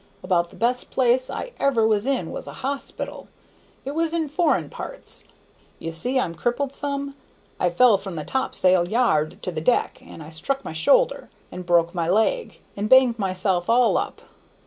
"About the best place I ever was in was a hospital. It was in foreign parts. Ye see I'm crippled some? I fell from the topsail yard to the deck, and I struck my shoulder, and broke my leg, and banged myself all up.